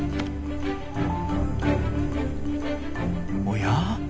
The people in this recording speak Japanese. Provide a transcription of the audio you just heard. おや？